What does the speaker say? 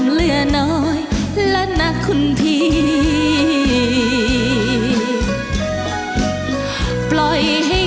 ฟรีฟรามัยมันเรียนไว้